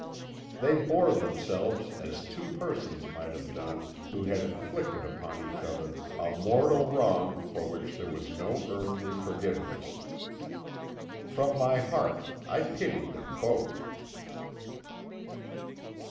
They bore themselves as two persons might have done who had inflicted upon each other a mortal wrong for which there was no earthly forgiveness. From my heart I pitied them both."